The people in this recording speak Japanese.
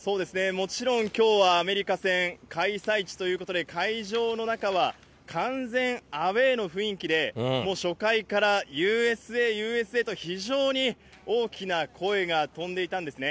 もちろんきょうはアメリカ戦、開催地ということで、会場の中は完全アウエーの雰囲気で、もう初回からＵＳＡ、ＵＳＡと非常に大きな声が飛んでいたんですね。